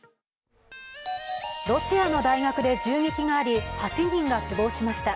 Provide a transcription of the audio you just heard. ロシアの大学で銃撃があり８人が死亡しました。